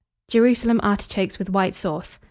JERUSALEM ARTICHOKES WITH WHITE SAUCE.